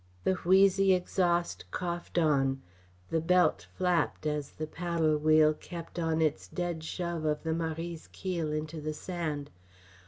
The wheezy exhaust coughed on; the belt flapped as the paddle wheel kept on its dead shove of the Marie's keel into the sand.